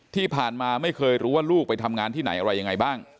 ที่ผ่านมาไม่เคยรู้ว่าลูกไปทำงานที่ไหนอะไรยังไงบ้าง